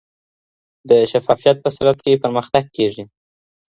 د شفافیت په صورت کي پرمختګ کیږي.